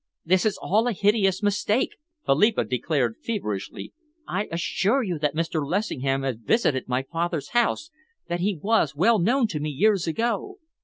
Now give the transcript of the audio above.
"This is all a hideous mistake," Philippa declared feverishly. "I assure you that Mr. Lessingham has visited my father's house, that he was well known to me years ago."